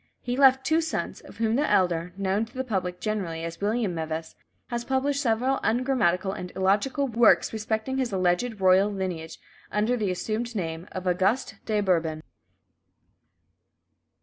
He left two sons, of whom the elder, known to the public generally as William Meves, has published several ungrammatical and illogical works respecting his alleged royal lineage, under the assumed name of "Auguste de Bourbon."